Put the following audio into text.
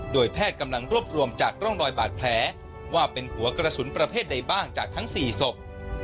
โดยแพทย์กำลังรวบรวมจากร่องรอยบาดแผลว่าเป็นหัวกระสุนประเภทใดบ้างจากทั้ง๔ศพ